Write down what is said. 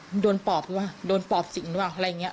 มันโดนปอบหรือว่าโดนปอบสิ่งหรือว่าอะไรอย่างเงี้ย